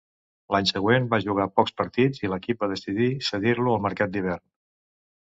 L'any següent va jugar pocs partits i l'equip va decidir cedir-lo al mercat d'hivern.